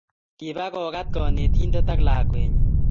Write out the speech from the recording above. kiba kokat konetinte ak lakweenyin